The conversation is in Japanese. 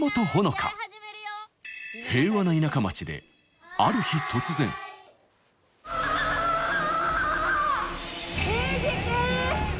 平和な田舎町である日突然ユウジくん！